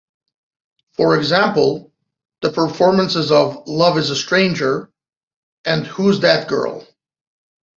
For example, the performances of "Love Is a Stranger" and "Who's That Girl?